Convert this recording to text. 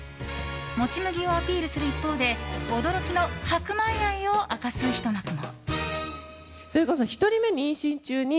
もち麦をアピールする一方で驚きの白米愛を明かすひと幕も。